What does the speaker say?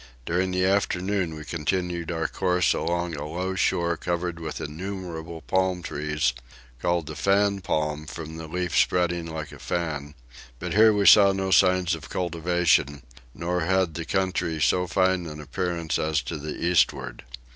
During the afternoon we continued our course along a low shore covered with innumerable palm trees, called the Fan Palm from the leaf spreading like a fan; but here we saw no signs of cultivation, nor had the country so fine an appearance as to the eastward.